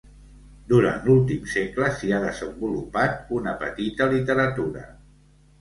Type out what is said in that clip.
Durant l'últim segle, s'hi ha desenvolupat una petita literatura.